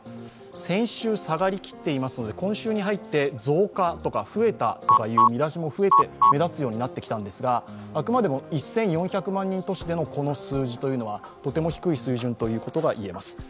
先週、下がりきっていますので今週に入って増加とか増えたとかいう見出しも目立つようになってきたんですが、あくまでも１４００万人都市でのこの数字は、とても低い水準ということが言えます。